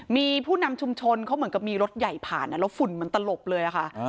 มีผู้นำชุมชนเขาเหมือนกับมีรถใหญ่ผ่านแล้วฝุ่นมันตลบเลยค่ะ